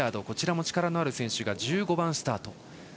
こちらも力のある選手で１５番スタート。